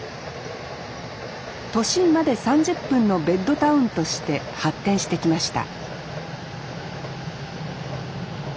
都心まで３０分のベッドタウンとして発展してきました